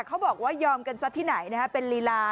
เขาบอกว่ายอมกันซักที่ไหนนะฮะ